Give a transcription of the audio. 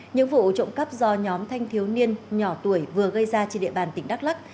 những vụ trộm cắp do nhóm thanh thiếu niên nhỏ tuổi vừa gây ra trên địa bàn tỉnh đắk lắc